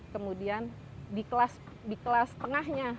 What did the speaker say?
kemudian di kelas tengahnya